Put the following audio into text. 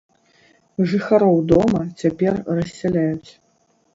Жыхароў дома цяпер рассяляюць.